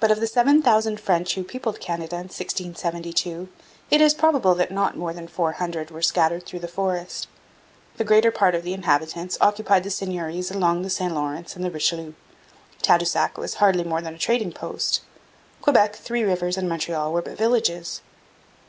But of the seven thousand French who peopled Canada in 1672 it is probable that not more than four hundred were scattered through the forest. The greater part of the inhabitants occupied the seigneuries along the St Lawrence and the Richelieu. Tadoussac was hardly more than a trading post. Quebec, Three Rivers, and Montreal were but villages.